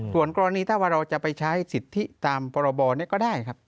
ส่วนกรณีถ้าว่าเราจะไปใช้สิทธิตามพรบนี้ก็ได้ครับ